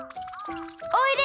おいで！